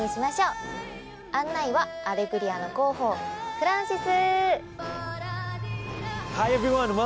案内は『アレグリア』の広報フランシス！